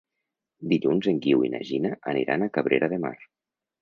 Dilluns en Guiu i na Gina aniran a Cabrera de Mar.